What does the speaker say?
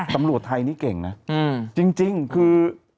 ตำรวจไทยนี่เก่งนะจริงคือ